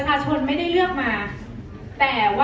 อ๋อแต่มีอีกอย่างนึงค่ะ